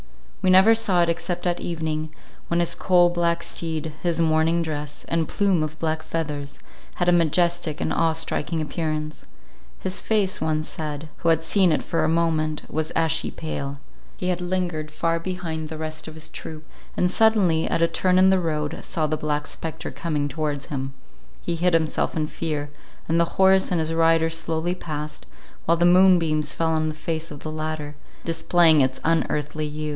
We never saw it except at evening, when his coal black steed, his mourning dress, and plume of black feathers, had a majestic and awe striking appearance; his face, one said, who had seen it for a moment, was ashy pale; he had lingered far behind the rest of his troop, and suddenly at a turn in the road, saw the Black Spectre coming towards him; he hid himself in fear, and the horse and his rider slowly past, while the moonbeams fell on the face of the latter, displaying its unearthly hue.